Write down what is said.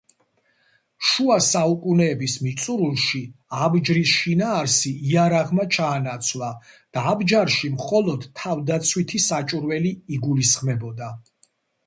შუა საუკუნეების მიწურულში „აბჯრის“ შინაარსი „იარაღმა“ ჩაანაცვლა და „აბჯარში“ მხოლოდ თავდაცვითი საჭურველი იგულისხმებოდა.